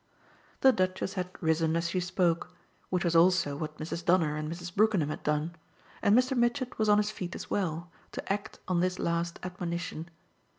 The Duchess had risen as she spoke, which was also what Mrs. Donner and Mrs. Brookenham had done; and Mr. Mitchett was on his feet as well, to act on this last admonition.